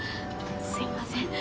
すいません。